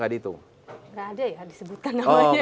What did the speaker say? tidak ada ya disebutkan namanya